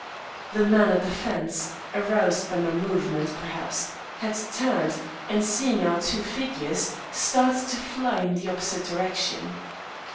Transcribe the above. The man at the fence aroused by my movement, perhaps had turned, and, seeing our two figures, started to fly in the opposite direction.